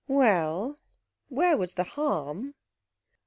Well, where was the harm?